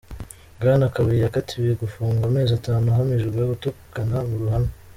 Bwana Kabuye yakatiwe gufungwa amezi atanu ahamijwe gutukana mu ruhame.